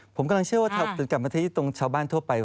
ผมกำลังเชื่อว่าถ้าเป็นคำพูดจากประเทศชาวบ้านทั่วไป